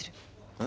うん？